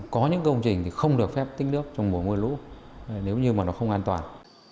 có những công trình thì không được phép tích nước trong mùa mưa lũ nếu như mà nó không an toàn